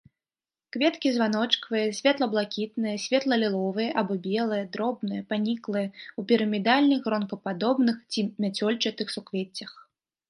Кветкі званочкавыя, светла-блакітныя, светла-ліловыя або белыя, дробныя, паніклыя, у пірамідальных гронкападобных ці мяцёлчатых суквеццях.